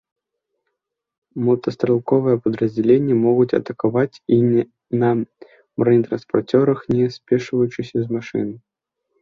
Мотастралковыя падраздзяленні могуць атакаваць і на бронетранспарцёрах, не спешваючыся з машын.